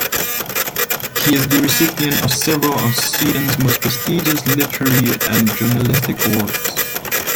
He is the recipient of several of Sweden's most prestigious literary and journalistic awards.